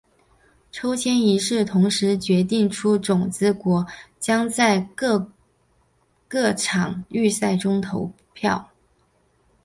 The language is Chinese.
抽签仪式同时决定出种子国将各在哪场预赛中投票。